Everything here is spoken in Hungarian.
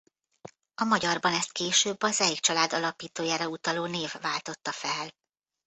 A magyarban ezt később a Zeyk család alapítójára utaló név váltotta fel.